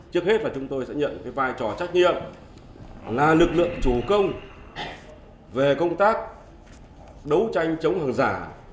trước hết là chúng tôi sẽ nhận cái vai trò trách nhiệm là lực lượng chủ công về công tác đấu tranh chống hàng giả